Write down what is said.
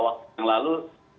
waktu yang lalu